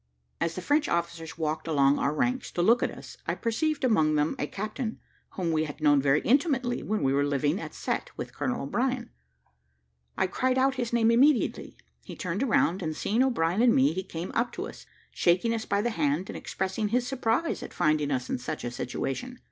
As the French officers walked along our ranks to look at us, I perceived among them a captain, whom we had known very intimately when we were living at Cette with Colonel O'Brien. I cried out his name immediately; he turned round, and seeing O'Brien and me, he came up to us, shaking us by the hand, and expressing his surprise at finding us in such a situation.